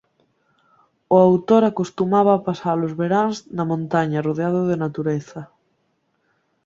O autor acostumaba a pasar os veráns na montaña rodeado de natureza.